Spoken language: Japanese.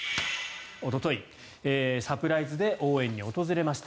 おとといサプライズで応援に訪れました。